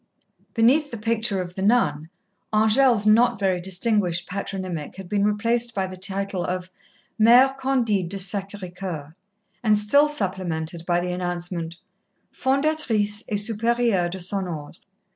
Beneath the picture of the nun, Angèle's not very distinguished patronymic had been replaced by the title of "Mère Candide de Sacré Coeur," and still supplemented by the announcement: "Fondatrice et Supérieure de son Ordre."